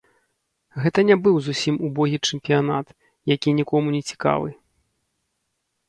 Гэта не быў зусім убогі чэмпіянат, які нікому не цікавы.